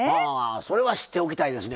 それは知っておきたいですね